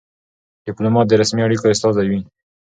ډيپلومات د رسمي اړیکو استازی وي.